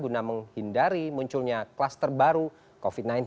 guna menghindari munculnya kluster baru covid sembilan belas